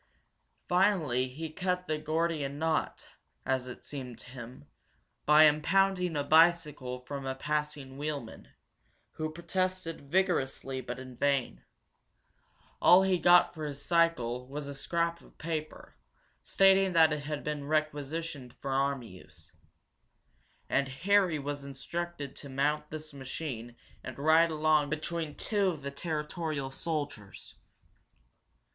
Finally he cut the Gordian knot, as it seemed to him, by impounding a bicycle from a passing wheelman, who protested vigorously but in vain. All he got for his cycle was a scrap of paper, stating that it had been requisitioned for army use. And Harry was instructed to mount this machine and ride along between two of the territorial soldiers.